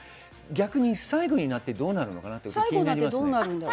逆に最後になってどうなるのかな？って気になります。